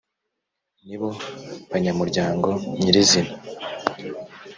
nibo banyamuryango nyir izina